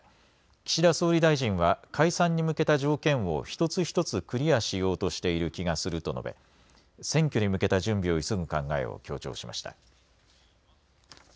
岸田総理大臣は解散に向けた条件を一つ一つクリアしようとしている気がすると述べ選挙に向けた準備を急ぐ考えを強調しました。